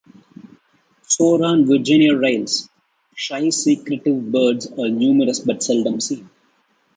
Sora and Virginia rails - shy, secretive birds - are numerous but seldom seen.